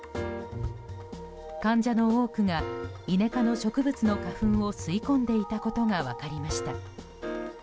患者の多くがイネ科の植物の花粉を吸い込んでいたことが分かりました。